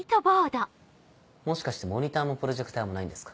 もしかしてモニターもプロジェクターもないんですか？